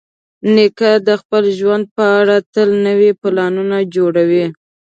نیکه د خپل ژوند په اړه تل نوي پلانونه جوړوي.